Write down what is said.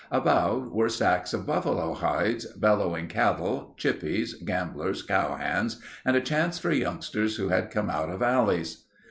About were stacks of buffalo hides, bellowing cattle, "chippies," gamblers, cow hands, and a chance for youngsters who had come out of alleys.